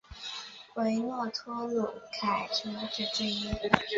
维诺托努斯凯尔特神话神只之一。